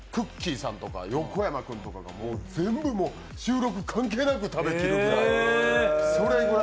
さんとか横山君とかが全部収録関係なく食べきるくらい、それぐらい